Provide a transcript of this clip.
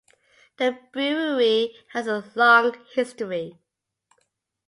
The Brewery has a long history.